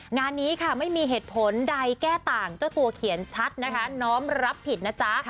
งานนี้ค่ะไม่มีเหตุผลใดแก้ต่างเจ้าตัวเขียนชัดนะคะน้อมรับผิดนะจ๊ะ